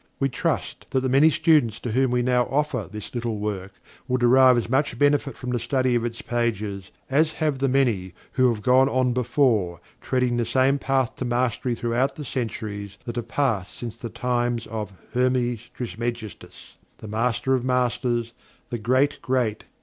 We trust that the many students to whom we now offer this little work will derive as much benefit from the study of its pages as have the many who have gone on before, treading the same Path to Mastery throughout the centuries that have passed since the times of HERMES TRISMEGISTUS the Master of Masters the Great Great.